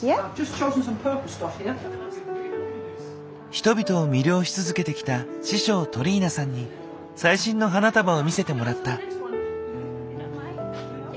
人々を魅了し続けてきた師匠トリーナさんに最新の花束を見せてもらった。